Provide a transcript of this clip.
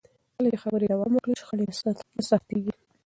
کله چې خبرې دوام وکړي، شخړې نه سختېږي.